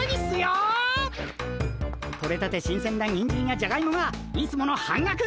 取れたて新鮮なにんじんやじゃがいもがいつもの半額！